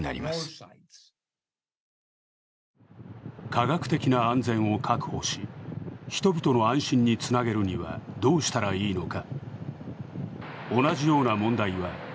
科学的な安全を確保し、人々の安心につなげるにはどうしたらいいのか。